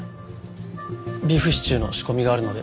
ビーフシチューの仕込みがあるので。